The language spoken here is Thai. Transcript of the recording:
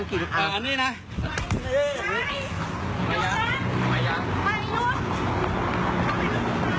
ดูคลิปกันก่อนนะครับแล้วเดี๋ยวมาเล่าให้ฟังนะครับ